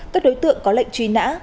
các đối tượng có lệnh truy nã